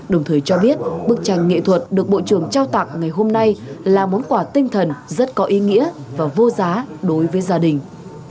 đồng thời cho biết bức tranh nghệ thuật được bộ trưởng trao tặng ngày hôm nay là món quà tinh thần rất có ý nghĩa và vô giá đối với gia đình